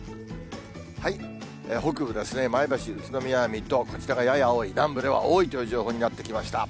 北部ですね、前橋、宇都宮、水戸、こちらがやや多い、南部では多いという情報になってきました。